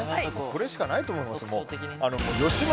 これしかないと思います。